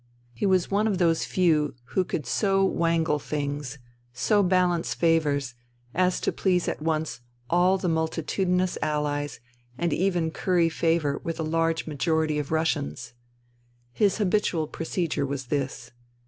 He was one of those few who 164 FUTILITY could so wangle things, so balance favours, as to please at once all the multitudinous Allies and even curiy favour with a large majority of Russians. His habitual procedure was this.